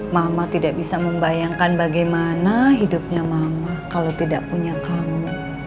mama tidak bisa membayangkan bagaimana hidupnya mama kalau tidak punya kamu